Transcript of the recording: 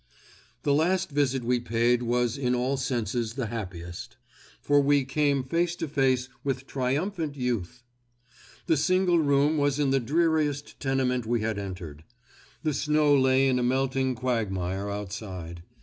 The last visit we paid was in all senses the happiest, for we, came face to face with triumphant youth. The single room was in the dreariest tenement we had entered. The snow lay in a melting quagmire outside.